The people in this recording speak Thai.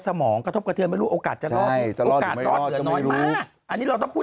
สมองกระทบกระเทือนไม่รู้โอกาสจะรอดใช่จะรอดหรือไม่รอดก็ไม่รู้โอกาสเหลือน้อยมาอันนี้เราต้องพูด